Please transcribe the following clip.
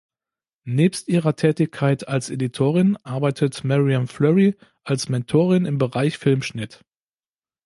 Nebst ihrer Tätigkeit als Editorin arbeitet Myriam Flury als Mentorin im Bereich Filmschnitt.